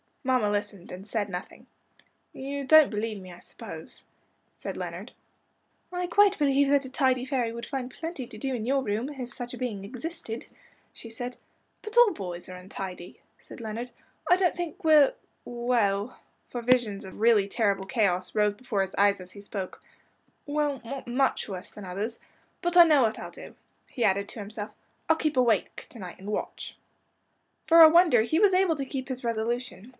Mamma listened and said nothing. "You don't believe me, I suppose," said Leonard. "I quite believe that a tidy fairy would find plenty to do in your room, if such a being existed," she said. "But all boys are untidy," said Leonard. "I don't think we're well," for visions of really terrible chaos rose before his eyes as he spoke "well, not much worse than others. But I know what I'll do," he added to himself. "I'll keep awake to night and watch." For a wonder he was able to keep his resolution.